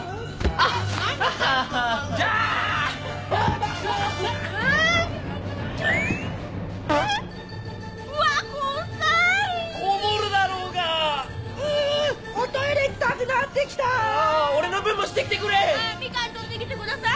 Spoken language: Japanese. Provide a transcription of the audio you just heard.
ああミカン取ってきてください！